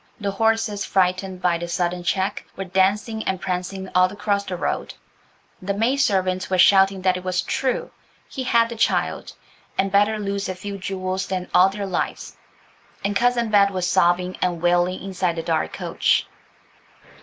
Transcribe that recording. The horses, frightened by the sudden check, were dancing and prancing all across the road: the maidservants were shouting that it was true; he had the child, and better lose a few jewels than all their lives, and Cousin Bet was sobbing and wailing inside the dark coach.